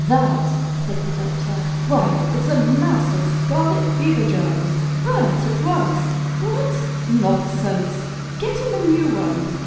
"That?" said the doctor. "Why, it's a mass of scarlet fever germs! Burn it at once. What? Nonsense! Get him a new one.